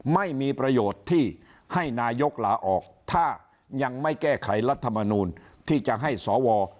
ไม่มีประโยชน์ที่ให้นายกลาออกถ้ายังไม่แก้ไขรัฐมนูลที่จะให้สว